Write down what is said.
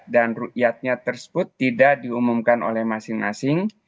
dan ru yatnya tersebut tidak diumumkan oleh masing masing